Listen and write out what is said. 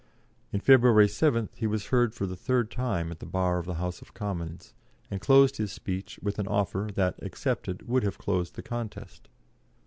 On February 7th he was heard for the third time at the Bar of the House of Commons, and closed his speech with an offer that, accepted, would have closed the contest.